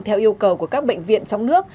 theo yêu cầu của các bệnh viện trong nước